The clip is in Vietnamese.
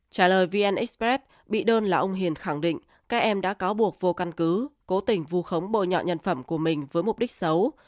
trả lời vn express bị đơn là ông hiền khẳng định các em đã cáo buộc vô căn cứ cố tình vù khống bồi nhọ nhân phẩm của mình với mục đích xấu